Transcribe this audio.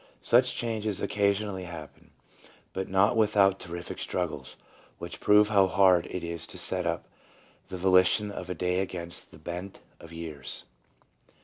... Such changes occasionally happen, but not without terrific struggles, which prove how hard it is to set up the volition of a day against the bent of years."